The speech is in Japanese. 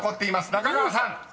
［中川さん］